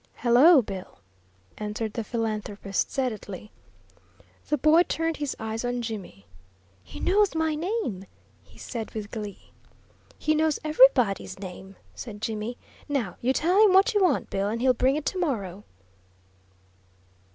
"Hello, Bill!" answered the philanthropist, sedately. The boy turned his eyes on Jimmy. "He knows my name," he said, with glee. "He knows everybody's name," said Jimmy. "Now you tell him what you want, Bill, and he'll bring it to morrow.